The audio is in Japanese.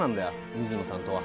水野さんとは。